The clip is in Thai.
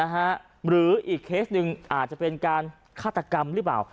หรืออีกเคสหนึ่งอาจจะเป็นการฆาตกรรมหรือเปล่า